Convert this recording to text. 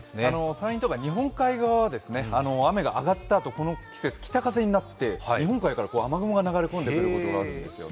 山陰とか日本海側は雨が上がったあと、この季節、北風になって日本海から雨雲が流れ込んでくることがあるんです。